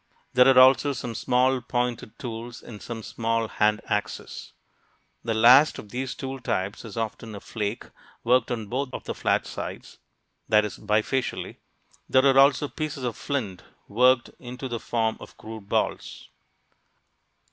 There are also some small pointed tools and some small "hand axes." The last of these tool types is often a flake worked on both of the flat sides (that is, bifacially). There are also pieces of flint worked into the form of crude balls.